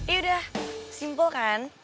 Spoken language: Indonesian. yaudah simpel kan